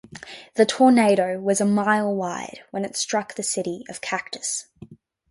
The tornado was a mile wide when it struck the city of Cactus.